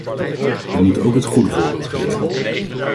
We moeten ook het goede voorbeeld geven.